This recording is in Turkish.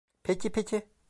Peki, peki.